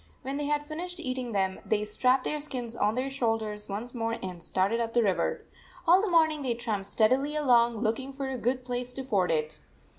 When they had finished eating them, they strapped their skins on their shoulders once more and started up the river. All the morn ing they tramped steadily along, looking for a good place to ford it.